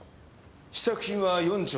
試作品は４丁。